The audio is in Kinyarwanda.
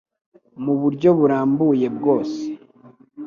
mu buryo burambuye bwose